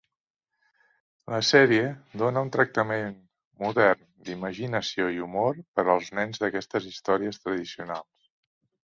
La sèrie dóna un tractament modern d'imaginació i humor per als nens d'aquestes històries tradicionals.